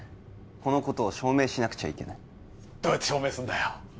このことを証明しなくちゃいけないどうやって証明すんだよ？